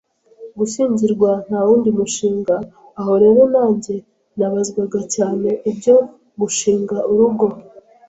gushyingirwa ntawundi mushinga, aho rero nanjye nabazwaga cyane ibyo gushinga urugo,